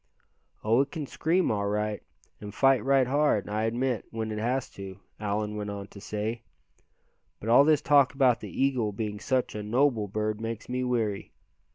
"Oh! it can scream, all right, and fight right hard, I admit, when it has to," Allan went on to say, "but all this talk about the eagle being such a noble bird makes me weary.